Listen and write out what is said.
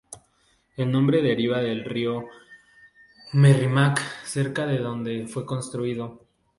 El nombre deriva del río Merrimack, cerca de donde fue construido.